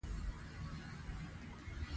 بادام د افغانانو د اړتیاوو د پوره کولو وسیله ده.